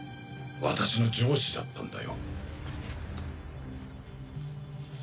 私の上司だったんだよ。